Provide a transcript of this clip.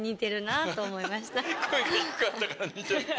声が低かったから似てる。